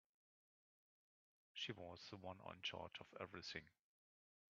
She was the one in charge of everything.